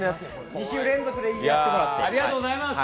２週連続でいかせてもらって。